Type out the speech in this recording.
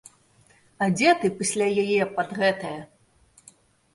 А дзе ты пасля яе пад гэтае?